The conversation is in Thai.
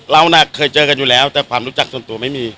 เราน่ะเคยเจอกันอยู่แล้วแต่ความรู้จักส่วนตัวไม่มี